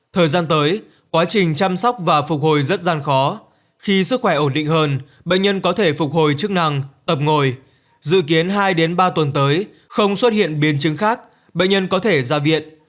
thời gian tới quá trình chăm sóc và phục hồi rất gian khó khi sức khỏe ổn định hơn bệnh nhân có thể phục hồi chức năng ập ngồi dự kiến hai ba tuần tới không xuất hiện biến chứng khác bệnh nhân có thể ra viện